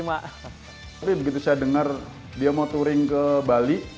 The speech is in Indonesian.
waktu itu saya dengar dia mau touring ke bali